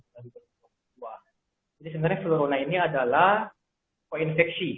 jadi sebenarnya flurona ini adalah koinfeksi